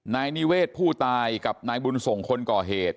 นายนิเวศผู้ตายกับนายบุญส่งคนก่อเหตุ